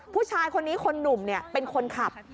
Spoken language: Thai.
ผู้ชายคนนี้คนหนุ่มเป็นคนขับ